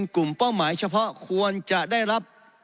กลุ่มเป้าหมายเฉพาะควรจะได้รับ